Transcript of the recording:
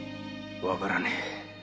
わからねえ。